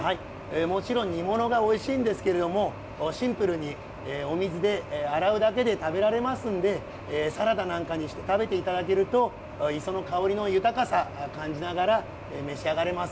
もちろん煮物がおいしいんですけれども、シンプルにお水で洗うだけで食べられますので、サラダなんかにして食べていただけると、磯の香りの豊かさ、感じながら、召し上がれます。